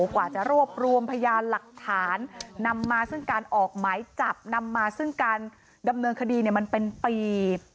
กว่าจะรวบรวมพยานหลักฐานนำมาซึ่งการออกหมายจับนำมาซึ่งการดำเนินคดีมันเป็นปี